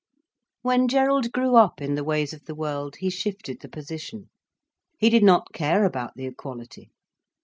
When Gerald grew up in the ways of the world, he shifted the position. He did not care about the equality.